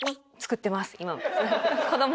今も。